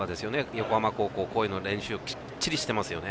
横浜高校、こういうの練習きっちりしてますよね。